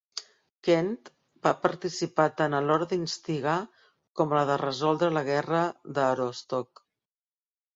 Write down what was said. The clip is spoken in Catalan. Kent va participar tant a l'hora d'instigar com a la de resoldre la Guerra d'Aroostook.